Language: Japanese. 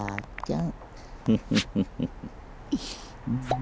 ん？